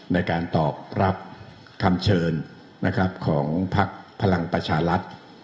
ในการตอบรับคำเชิญของพักพลังประชารัฐ